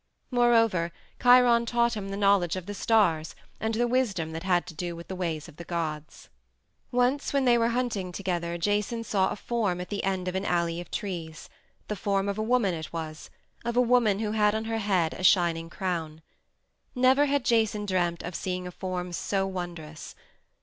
Moreover, Chiron taught him the knowledge of the stars and the wisdom that had to do with the ways of the gods. Once, when they were hunting together, Jason saw a form at the end of an alley of trees the form of a woman it was of a woman who had on her head a shining crown. Never had Jason dreamt of seeing a form so wondrous.